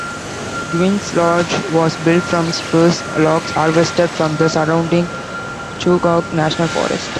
Gwin's Lodge was built from spruce logs harvested from the surrounding Chugach National Forest.